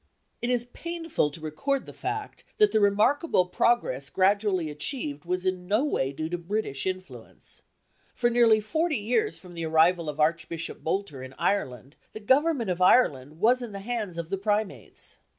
It is painful to record the fact that the remarkable progress gradually achieved was in no way due to British influence. For nearly forty years from the arrival of Archbishop Boulter in Ireland, the government of Ireland was in the hands of the Primates.